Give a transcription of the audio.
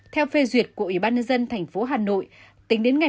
theo phê duyệt của ủy ban nhân dân tp hcm tính đến ngày một bảy hai nghìn một mươi sáu